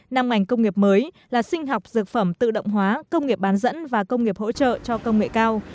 năm ngành công nghiệp mới là sinh học dược phẩm tự động hóa công nghiệp bán dẫn và công nghiệp hỗ trợ cho công nghệ cao